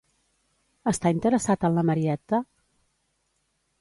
Està interessat en la Marietta?